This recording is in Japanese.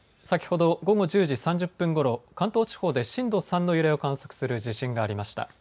先ほど午後１０時３０分ごろ関東地方で震度３の揺れを観測する地震がありました。